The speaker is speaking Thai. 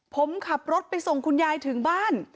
ผมขับรถไปส่งคุณยายถึงบ้าน